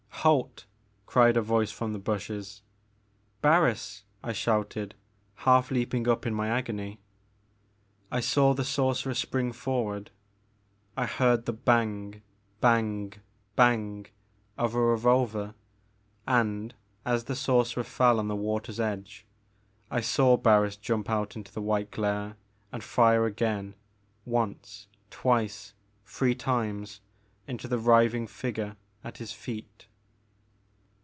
Halt I " cried a voice from the bushes. *' Barris !'' I shouted, half leaping up in my agony. I saw the sorcerer spring forward, I heard the bang ! bang ! bang ! of a revolver, and, as the sorcerer fell on the water's edge, I saw Barris jump out into the white glare and fire again, once, twice, three times, into the writhing figure at his feet.